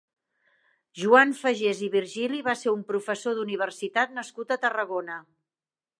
Joan Fagés i Virgili va ser un professor d'universitat nascut a Tarragona.